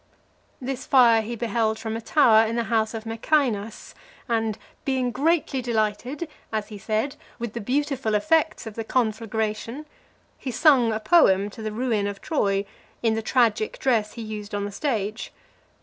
This fire he beheld from a tower in the house of Mecaenas, and "being greatly delighted," as he said, "with the beautiful effects of the conflagration," he sung a poem on the ruin of Troy, in the tragic dress he used on the stage.